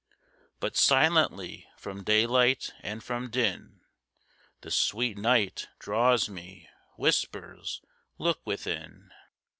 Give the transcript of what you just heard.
But silently from daylight and from din The sweet Night draws me—whispers, "Look within!"